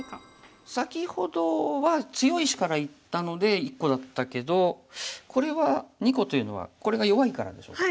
先ほどは強い石からいったので１個だったけどこれは２個というのはこれが弱いからでしょうか。